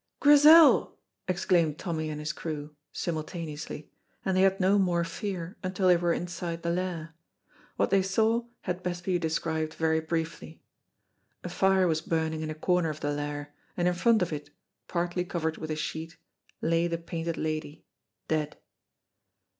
"Grizel!" exclaimed Tommy and his crew, simultaneously, and they had no more fear until they were inside the Lair. What they saw had best be described very briefly. A fire was burning in a corner of the Lair, and in front of it, partly covered with a sheet, lay the Painted Lady, dead.